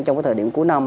trong thời điểm cuối năm